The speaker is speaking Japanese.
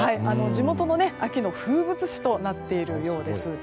地元の秋の風物詩となっているようです。